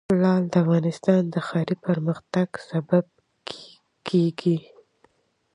لعل د افغانستان د ښاري پراختیا سبب کېږي.